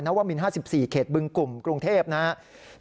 วมิน๕๔เขตบึงกลุ่มกรุงเทพนะครับ